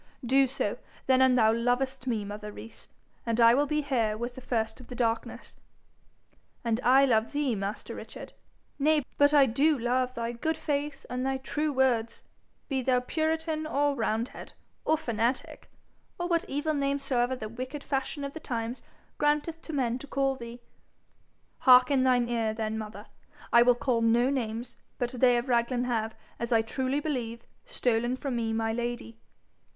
'Do so then an' thou lovest me, mother Rees, and I will be here with the first of the darkness.' 'An' I love thee, master Richard? Nay, but I do love thy good face and thy true words, be thou puritan or roundhead, or fanatic, or what evil name soever the wicked fashion of the times granteth to men to call thee.' 'Hark in thine ear then, mother: I will call no names; but they of Raglan have, as I truly believe, stolen from me my Lady.'